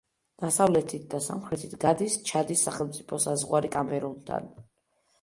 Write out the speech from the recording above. დასავლეთით და სამხრეთით გადის ჩადის სახელმწიფო საზღვარი კამერუნთან.